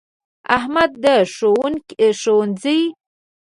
احمد ښځنوکی دی؛ ټوله ورځ په کور کې وي.